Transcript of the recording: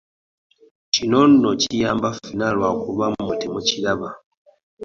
Kino nno kiyamba ffenna lwakuba mmwe temukiraba.